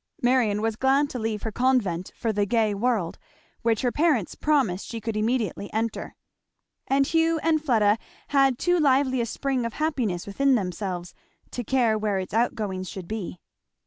Marion was glad to leave her convent for the gay world, which her parents promised she should immediately enter. And Hugh and Fleda had too lively a spring of happiness within themselves to care where its outgoings should be.